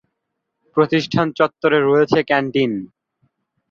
প্রতিষ্ঠান চত্বরে রয়েছে ক্যান্টিন।